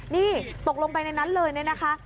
นี่ตกลงไปในนั้นเลยเนี่ยนะคะ